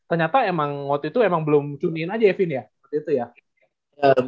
ternyata emang waktu itu emang belum cuniin aja ya vin ya